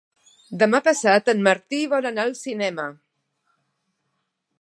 Demà passat en Martí vol anar al cinema.